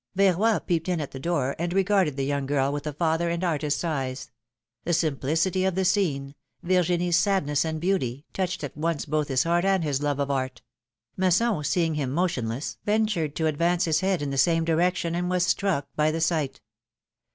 Verroy peeped in at the door, and regarded the young girl with a father and artist's eyes; the simplicity of the scene. Virgin ie's sadness and beauty, touched at once both his heart and his love of art ; Masson, seeing him motionless, ventured to advance his head in the 158 philom^:ne's m a rei ages. same direction, and was struck by the sight.